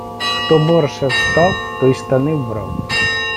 хто борше встав, той штани вбрав